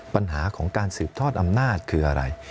ปัญหาของการสืบทอดอำนาจคืออะไร